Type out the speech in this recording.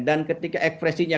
dan ketika ekspresinya